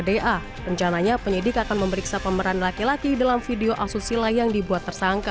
da rencananya penyidik akan memeriksa pemeran laki laki dalam video asusila yang dibuat tersangka